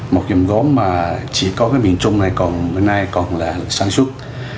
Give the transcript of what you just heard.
một dòng góm mà chỉ có cái miền trung này còn hôm nay còn là sản xuất